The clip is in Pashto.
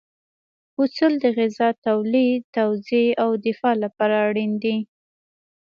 اصول د غذا تولید، توزیع او دفاع لپاره اړین دي.